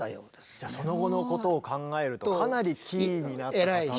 じゃあその後のことを考えるとかなりキーになった方。